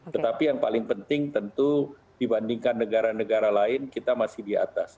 tetapi yang paling penting tentu dibandingkan negara negara lain kita masih di atas